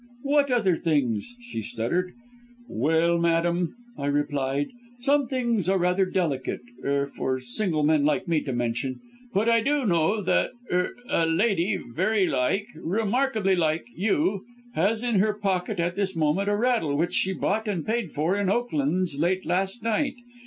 "'What other things?' she stuttered. "'Well, madam!' I replied, 'some things are rather delicate er for single men like me to mention, but I do know that er a lady very like remarkably like you, has in her pocket at this moment a rattle which she bought and paid for in Oakland's late last night.